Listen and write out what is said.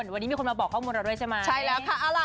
วันนี้มีคนมาบอกข้อมูลเราด้วยใช่ไหมใช่แล้วค่ะเอาล่ะ